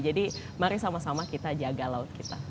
jadi mari sama sama kita jaga laut kita